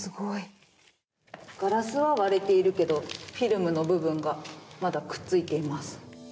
ガラスは割れているけどフィルムの部分がまだくっついています。